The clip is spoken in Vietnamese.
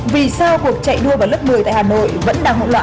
vì sao cuộc chạy đua vào lớp một mươi tại hà nội vẫn đang hỗn loạn